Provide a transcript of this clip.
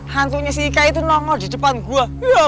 hantunya si ika itu nongol di depan gue